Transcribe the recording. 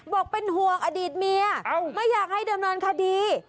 บอกเป็นห่วงอดีตเมียไม่อยากให้ดำเนินคดี